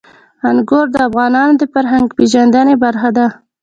انګور د افغانانو د فرهنګي پیژندنې برخه ده.